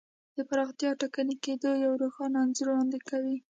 د پراختیا ټکني کېدو یو روښانه انځور وړاندې کوي.